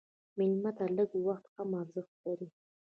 مېلمه ته لږ وخت هم ارزښت لري.